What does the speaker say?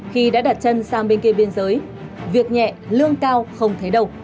khi đã đặt chân sang bên kia biên giới việc nhẹ lương cao không thấy đâu